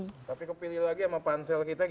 tapi kepilih lagi sama pansel kita